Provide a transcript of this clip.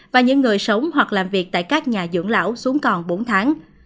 và những người sống hoặc làm việc tại các nhà dưỡng lão xuống còn bốn tháng